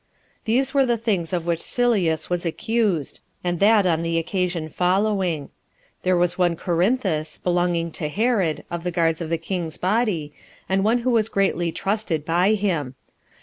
These were the things of which Sylleus was accused, and that on the occasion following: There was one Corinthus, belonging to Herod, of the guards of the king's body, and one who was greatly trusted by him.